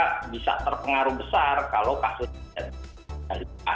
mami kita bisa terpengaruh besar kalau kasus ini terjadi